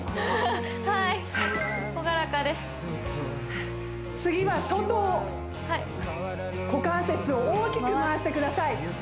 はい朗らかで次は外はい股関節を大きく回してください